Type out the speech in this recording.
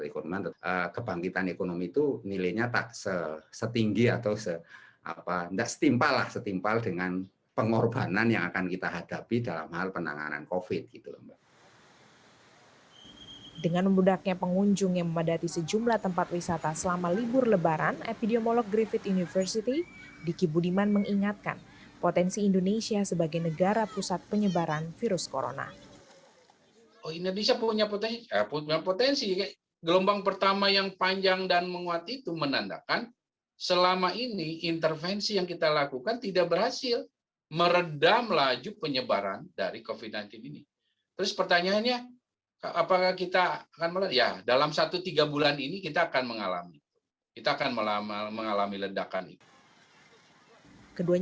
kebangkitan ekonomi itu nilainya tak setinggi atau setimpal dengan pengorbanan